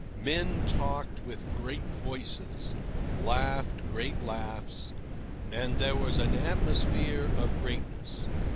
Men talked with great voices, laughed great laughs, and there was an atmosphere of greatness.